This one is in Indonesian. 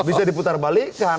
bisa diputar balikan